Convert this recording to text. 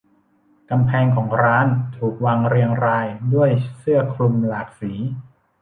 กำแพงของร้านถูกวางเรียงรายด้วยเสื้อคลุมหลากสี